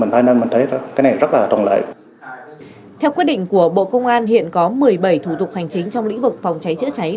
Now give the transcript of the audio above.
theo quyết định của bộ công an hiện có một mươi bảy thủ tục hành chính trong lĩnh vực phòng cháy chữa cháy